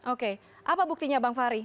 oke apa buktinya bang fahri